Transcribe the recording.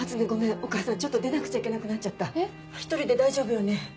お母さんちょっと出なくちゃいけなくなっちゃった一人で大丈夫よね？